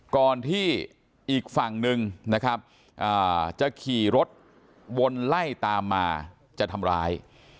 ก่อนที่อีกฝั่งหนึ่งนะครับจะขี่รถวนไล่ตามมาจะทำร้าย